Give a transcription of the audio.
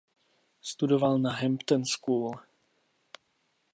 Studoval na Hampton School.